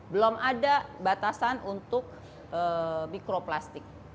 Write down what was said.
belum ada batasan untuk mikroplastik